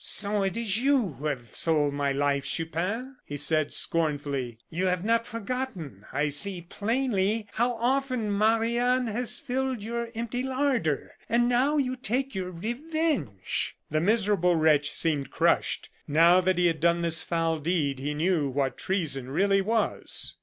"So it is you who have sold my life, Chupin?" he said, scornfully. "You have not forgotten, I see plainly, how often Marie Anne has filled your empty larder and now you take your revenge." The miserable wretch seemed crushed. Now that he had done this foul deed, he knew what treason really was.